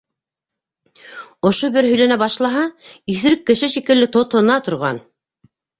Ошо бер һөйләнә башлаһа, иҫерек кеше шикелле тотона торған.